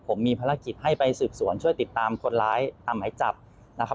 ผมมีภารกิจให้ไปสืบสวนช่วยติดตามคนร้ายตามหมายจับนะครับ